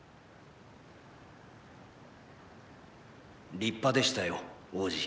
立派でしたよ王子。